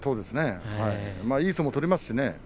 いい相撲を取りますしね。